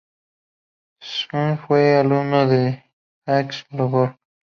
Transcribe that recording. Schmitt fue alumno de Jacques Le Goff.